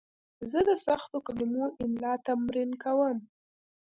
زه د سختو کلمو املا تمرین کوم.